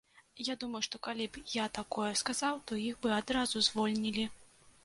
Я думаю, што калі б я такое сказаў, то іх бы адразу звольнілі.